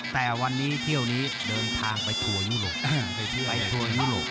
แต่วันนี้เที่ยวนี้เดินทางไปทัวร์ยุโรค